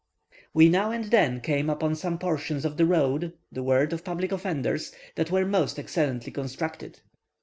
We now and then came upon some portions of the road, the work of public offenders, that were most excellently constructed.